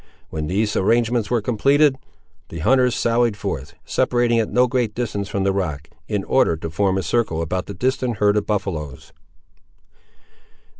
When these arrangements were completed, the hunters sallied forth, separating at no great distance from the rock, in order to form a circle about the distant herd of buffaloes.